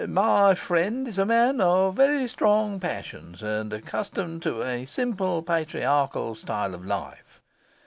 'My friend is a man of very strong passions, and accustomed to a simple, patriarchal style of life.